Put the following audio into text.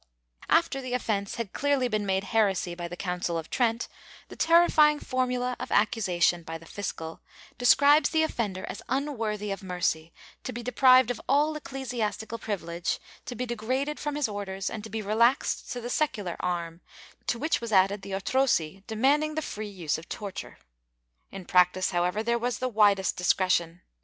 IV 22 338 MISCELLANEOUS BUSINESS [Book VIII After the offence had clearly been made heresy by the Council of Trent, the terrifying formula of accusation by the fiscal describes the offender as unworthy of mercy, to be deprived of all ecclesias tical privilege, to be degraded from his orders and to be relaxed to the secular arm, to which was added the otrosi demanding the free use of torture/ In practice, however, there was the widest discretion.